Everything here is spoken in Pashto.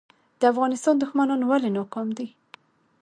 د افغانستان دښمنان ولې ناکام دي؟